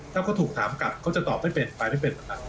ถ้าเขาถูกถามกลับเขาจะตอบไม่เป็นไปไม่เป็น